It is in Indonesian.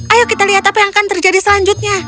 ayo kita lihat apa yang akan terjadi selanjutnya